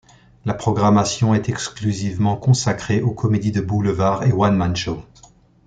La programmation est exclusivement consacrée aux comédies de boulevard et one-man-shows.